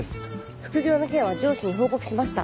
副業の件は上司に報告しました。